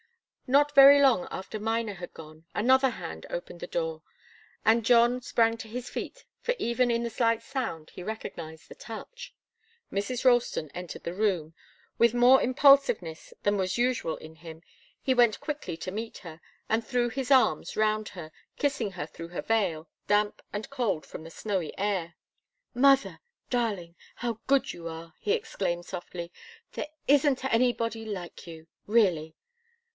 Not very long after Miner had gone, another hand opened the door, and John sprang to his feet, for even in the slight sound he recognized the touch. Mrs. Ralston entered the room. With more impulsiveness than was usual in him he went quickly to meet her, and threw his arms round her, kissing her through her veil, damp and cold from the snowy air. "Mother, darling how good you are!" he exclaimed softly. "There isn't anybody like you really."